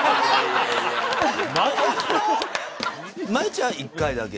真由ちゃん１回だけ。